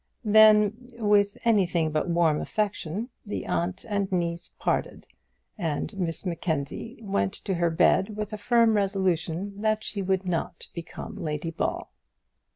Then, with anything but warm affection, the aunt and niece parted, and Miss Mackenzie went to her bed with a firm resolution that she would not become Lady Ball.